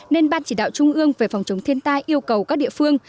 nên ban chỉ đạo trung ương về phòng chống thiên tai yêu cầu các địa phương